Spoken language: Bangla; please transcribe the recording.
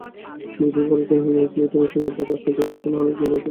যদিও বলেছেন, হিলারি ক্লিনটনের সঙ্গে তাঁর রাজনৈতিক অবস্থানের অনেক মিল রয়েছে।